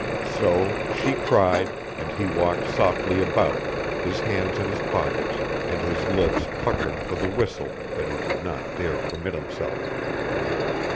So she cried and he walked softly about, his hands in his pockets and his lips puckered for the whistle that he did not dare permit himself.